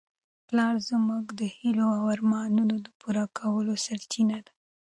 پلار زموږ د هیلو او ارمانونو د پوره کولو سرچینه ده.